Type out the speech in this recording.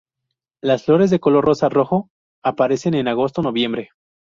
Las flores de color rosa-rojo aparecen en agosto-noviembre.